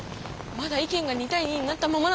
まだ意見が２対２になったままなんだよ。